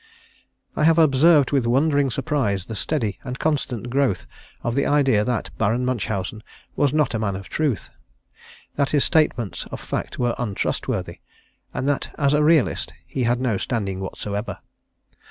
I have observed with wondering surprise the steady and constant growth of the idea that Baron Munchausen was not a man of truth; that his statements of fact were untrustworthy, and that as a realist he had no standing whatsoever.